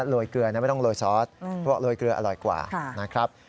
โรยเกลือนะไม่ต้องโรยซอสเพราะโรยเกลืออร่อยกว่านะครับ